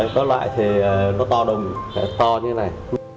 có loại thì nó to đông to như thế này